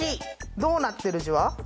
どうなってるじわ？